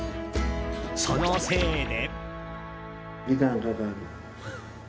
そのせいで。